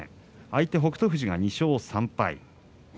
相手、北勝富士が２勝３敗。